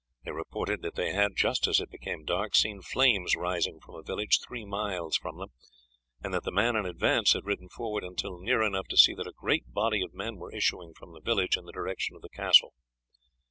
They reported that they had, just as it became dark, seen flames rising from a village three miles from them, and that the man in advance had ridden forward until near enough to see that a great body of men were issuing from the village in the direction of the castle.